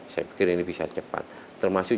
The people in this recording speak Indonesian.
saya pikir ini bisa cepat termasuk